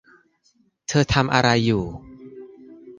เธอทำอะไรอยู่